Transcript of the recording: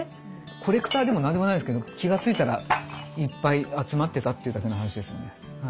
コレクターでも何でもないんですけど気が付いたらいっぱい集まってたっていうだけの話ですよね。